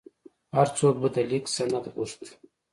هر څوک به د لیک سند غوښت.